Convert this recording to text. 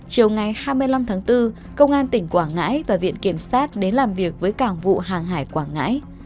chiều ngày hai mươi năm tháng bốn công an tỉnh quảng ngãi và viện kiểm sát đến làm việc với cảng vụ hàng hải quảng ngãi